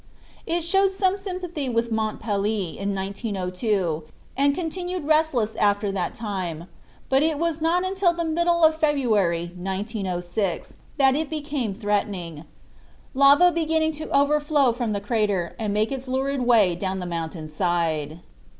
It showed some sympathy with Mont Pelee in 1902, and continued restless after that time, but it was not until about the middle of February, 1906, that it became threatening, lava beginning to overflow from the crater and make its lurid way down the mountain's side.